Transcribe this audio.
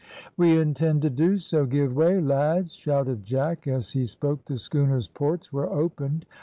"We intend to do so. Give way, lads," shouted Jack. As he spoke, the schooner's ports were opened.